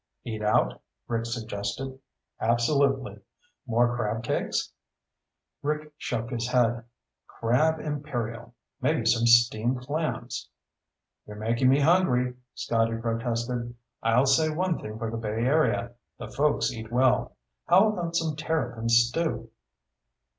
"Eat out?" Rick suggested. "Absolutely. More crab cakes?" Rick shook his head. "Crab imperial. Maybe some steamed clams." "You're making me hungry," Scotty protested. "I'll say one thing for the bay area. The folks eat well. How about some terrapin stew?"